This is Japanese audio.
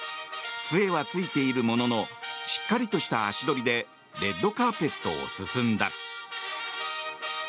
杖はついているもののしっかりとした足取りでレッドカーペットを進んだ。